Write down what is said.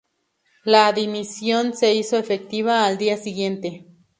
La dimisión se hizo efectiva al día siguiente.